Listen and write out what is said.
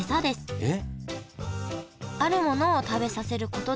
えっ！？